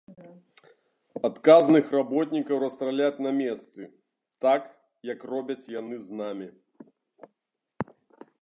Адказных работнікаў расстраляць на месцы, так, як робяць яны з намі.